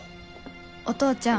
お父ちゃん